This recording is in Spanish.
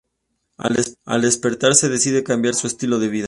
Al despertarse, decide cambiar su estilo de vida.